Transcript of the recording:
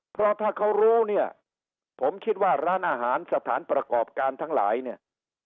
เพราะถ้าเขารู้เนี่ยผมคิดว่าร้านอาหารสถานประกอบการทั้งหลายเนี่ย